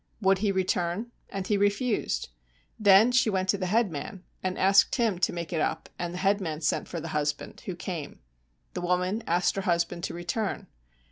'Would he return?' And he refused. Then she went to the headman and asked him to make it up, and the headman sent for the husband, who came. The woman asked her husband to return.